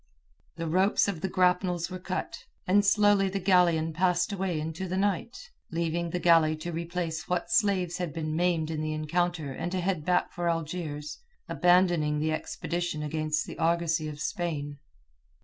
The ropes of the grapnels were cut, and slowly the galleon passed away into the night, leaving the galley to replace what slaves had been maimed in the encounter and to head back for Algiers, abandoning the expedition against the argosy of Spain.